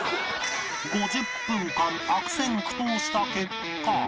５０分間悪戦苦闘した結果